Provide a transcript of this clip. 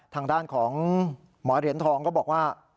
ทางด้านของหมอเหรียญทองก็บอกว่า